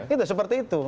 itu seperti itu